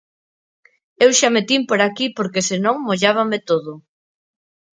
Eu xa metín por aquí porque se non mollábame todo...